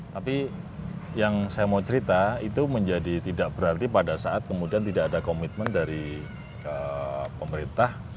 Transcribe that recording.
tapi yang saya mau cerita itu menjadi tidak berarti pada saat kemudian tidak ada komitmen dari pemerintah